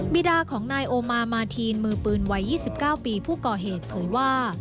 บีดาของนายโอมามาทีนมือปืนวัย๒๙ปีผู้ก่อเหตุเผยว่า